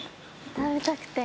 食べたくて。